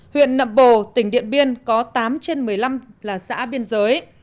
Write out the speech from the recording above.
huyện nậm bồ tỉnh điện biên có tám trên một mươi năm là xã biên giới